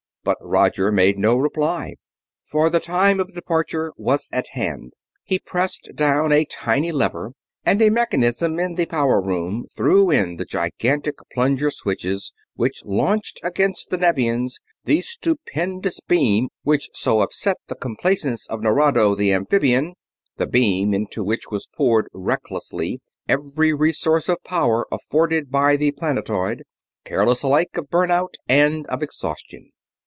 But Roger made no reply, for the time of departure was at hand. He pressed down a tiny lever, and a mechanism in the power room threw in the gigantic plunger switches which launched against the Nevians the stupendous beam which so upset the complacence of Nerado the amphibian the beam into which was poured recklessly every resource of power afforded by the planetoid, careless alike of burnout and of exhaustion.